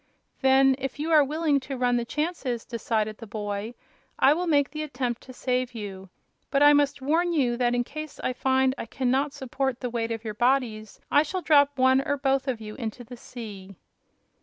"Then, if you are willing to run the chances," decided the boy, "I will make the attempt to save you. But I must warn you that in case I find I can not support the weight of your bodies I shall drop one or both of you into the sea."